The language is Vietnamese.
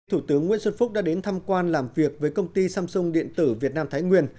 thủ tướng nguyễn xuân phúc đã đến thăm quan làm việc với công ty samsung điện tử việt nam thái nguyên